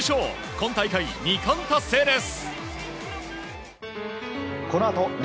今大会２冠達成です。